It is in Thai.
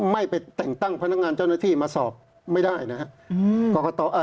ไม่ไปแต่งตั้งพนักงานเจ้าหน้าที่มาสอบไม่ได้นะครับ